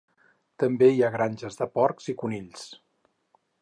També hi ha granges de porcs i conills.